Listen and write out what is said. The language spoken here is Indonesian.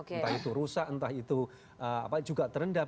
entah itu rusak entah itu juga terendam